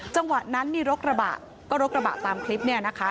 จังหวะนั้นมีรถกระบะก็รถกระบะตามคลิปเนี่ยนะคะ